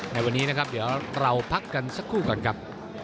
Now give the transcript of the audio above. ในวันนี้นะครับเดี๋ยวเราพักกันสักครู่ก่อนครับ